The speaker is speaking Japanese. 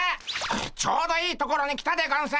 ちょうどいいところに来たでゴンス！